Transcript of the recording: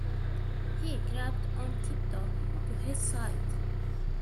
He crept on tiptoe to his side.